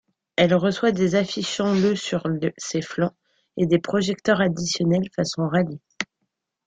Elle reçoit des affichant le sur ses flancs et des projecteurs additionnels façon rallye.